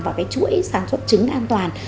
và chuỗi sản xuất trứng an toàn